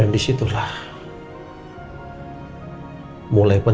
dia sudah jatuh